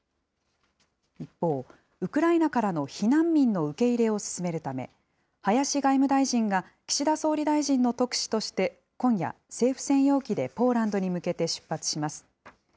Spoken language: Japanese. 一方、ウクライナからの避難民の受け入れを進めるため、林外務大臣が岸田総理大臣の特使として、今夜、政府専用機でポーランドに向けて出発します。